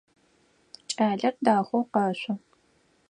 Кӏалэр дахэу къэшъо.